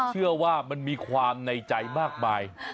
เชื่อว่ามันมีความในใจมากมาย